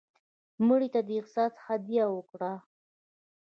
مړه ته د احسان هدیه وکړه